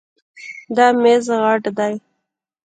دا میز غټ ده